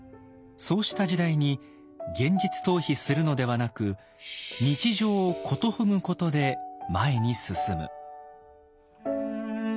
そうした時代に現実逃避するのではなく「日常を言祝ぐ」ことで前に進む。